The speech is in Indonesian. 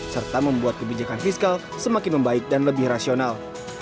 serta membuat kebijakan fiskal semakin membaik dan lebih rasional